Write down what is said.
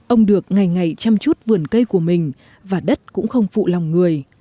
ông được ngày ngày chăm chút vườn cây của mình và đất cũng không phụ lòng người